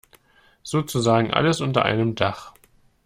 Sozusagen alles unter einem Dach.